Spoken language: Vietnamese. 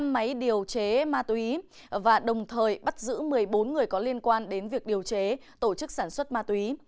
năm máy điều chế ma túy và đồng thời bắt giữ một mươi bốn người có liên quan đến việc điều chế tổ chức sản xuất ma túy